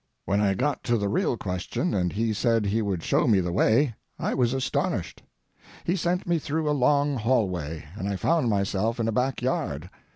When I got to the real question, and he said he would show me the way, I was astonished. He sent me through a long hallway, and I found myself in a back yard.